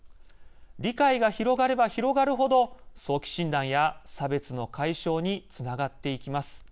理解が広がれば広がる程早期診断や差別の解消につながっていきます。